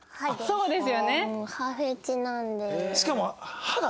そうですよね！